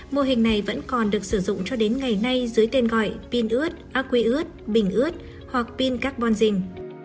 mô hình này vẫn còn được sử dụng cho đến ngày nay dưới tên gọi pin ướt aqua ướt bình ướt hoặc pin carbon zinc